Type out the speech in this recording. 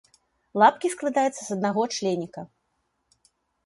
Лапкі складаюцца з аднаго членіка.